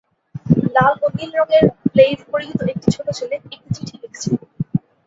লাল ও নীল রঙের প্লেইড পরিহিত একটি ছোট ছেলে একটি চিঠি লিখছে